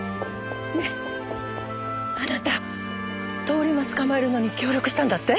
通り魔捕まえるのに協力したんだって？